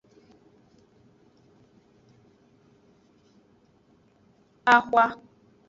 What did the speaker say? Ahwa.